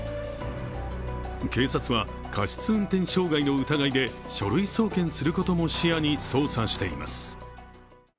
警察は過失運転傷害の疑いで書類送検することも視野に捜査しています。